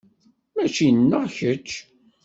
Mačči nneɣ kečč.